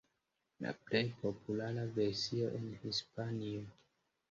La plej populara versio en Hispanio.